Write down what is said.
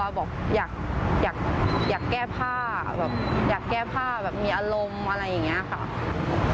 บอกอยากแก้ผ้าแบบอยากแก้ผ้าแบบมีอารมณ์อะไรอย่างนี้ค่ะ